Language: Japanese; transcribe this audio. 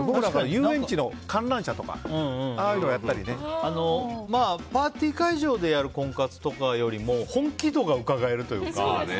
遊園地の観覧車とかパーティー会場でやる婚活とかよりも本気度がうかがえるというか。